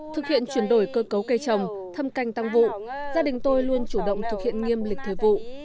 thực hiện chuyển đổi cơ cấu cây trồng thăm canh tăng vụ gia đình tôi luôn chủ động thực hiện nghiêm lịch thời vụ